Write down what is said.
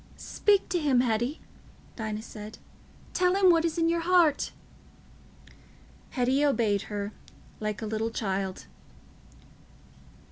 "Speak to him, Hetty," Dinah said; "tell him what is in your heart." Hetty obeyed her, like a little child.